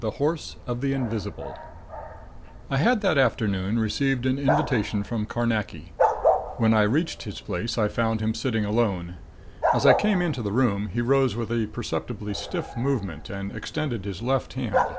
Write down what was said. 4 THE HORSE OF THE INVISIBLE I had that afternoon received an invitation from Carnacki. When I reached his place I found him sitting alone. As I came into the room he rose with a perceptibly stiff movement and extended his left hand.